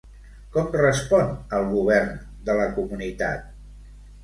Com respon el govern de la comunitat?